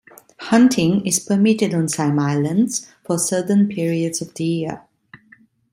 Hunting is permitted on some islands for certain periods of the year.